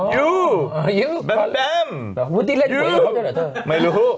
ยูแบม